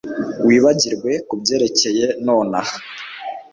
wibagirwe kubyerekeye nonaha